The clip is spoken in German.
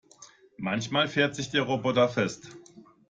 Manchmal fährt sich der Roboter fest.